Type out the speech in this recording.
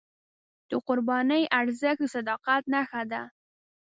د قربانۍ ارزښت د صداقت نښه ده.